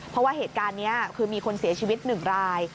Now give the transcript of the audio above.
เพราะว่าเหตุการณ์นี้คือมีคนเสียชีวิต๑ราย